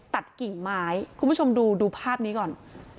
กิ่งไม้คุณผู้ชมดูดูภาพนี้ก่อน